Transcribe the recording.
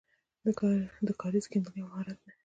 د کاریز کیندل یو مهارت دی.